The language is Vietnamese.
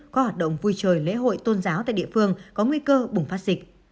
có hoạt động vui chơi lễ hội tôn giáo tại địa phương có nguy cơ bùng phát dịch